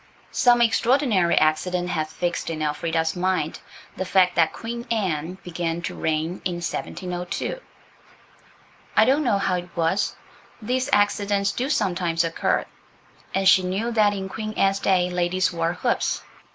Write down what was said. Some extraordinary accident had fixed in Elfrida's mind the fact that Queen Anne began to reign in 1702. I don't know how it was. These accidents do sometimes occur. And she knew that in Queen Anne's day ladies wore hoops.